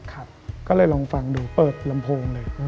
ก็เลยลองฟังดูเปิดลำโพงเลย